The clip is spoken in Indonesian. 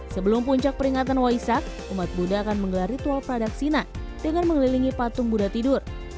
sebelum puncak peringatan waisak umat buddha akan menggelar ritual pradaksina dengan mengelilingi patung buddha tidur